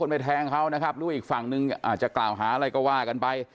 ไปแทงเขานะครับหรือว่าอีกฝั่งนึงอาจจะกล่าวหาอะไรก็ว่ากันไป